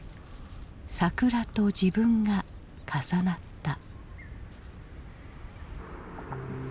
桜と自分が重なった。